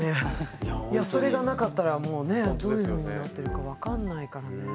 それがなかったらもうねどういうふうになってるかわかんないからね。